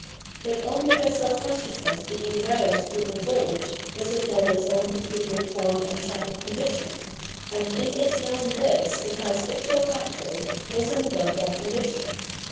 But only by self consciousness being roused to revolt does it know its own peculiar torn and shattered condition ; and in its know ing this it has ipso facto risen above that condition.